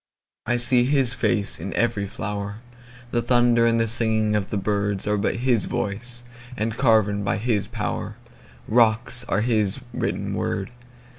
I see his face in every flower; The thunder and the singing of the birdsAre but his voice—and carven by his powerRocks are his written words.